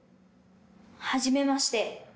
はじめまして。